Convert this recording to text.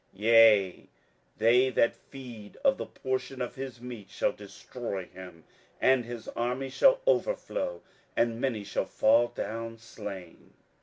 27:011:026 Yea, they that feed of the portion of his meat shall destroy him, and his army shall overflow: and many shall fall down slain.